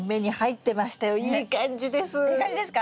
いい感じですか？